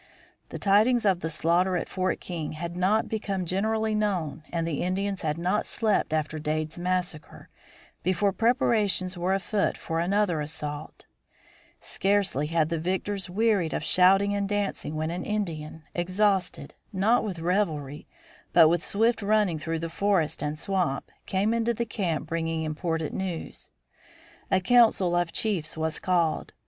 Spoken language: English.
The tidings of the slaughter at Fort King had not become generally known and the Indians had not slept after Dade's massacre, before preparations were afoot for another assault. [Illustration: INDIAN RUNNER] Scarcely had the victors wearied of shouting and dancing when an Indian, exhausted, not with revelry, but with swift running through forest and swamp, came into the camp, bringing important news. A council of chiefs was called.